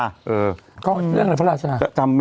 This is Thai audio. เรื่องอะไรพระราชชา